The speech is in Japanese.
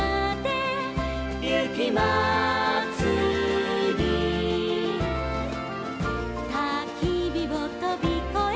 「ゆきまつり」「たきびをとびこえ」